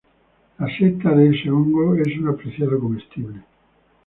La seta de este hongo es un apreciado comestible.